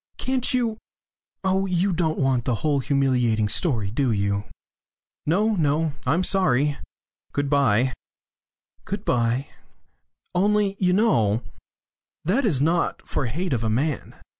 Can't you Oh, you don't want the whole humiliating story, do you?" "No, no. I'm sorry. Good bye." "Good bye." "Only you know that is not for hate of a man.